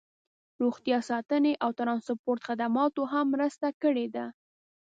روغتیا ساتنې او ټرانسپورټ خدماتو هم مرسته کړې ده